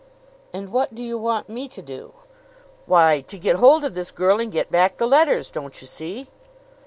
"And what do you want me to do?" "Why, to get hold of this girl and get back the letters don't you see?